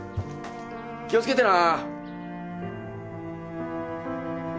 気をつけてな